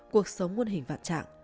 cuộc sống nguồn hình vạn trạng